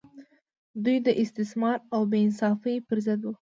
دوی د استثمار او بې انصافۍ پر ضد وو.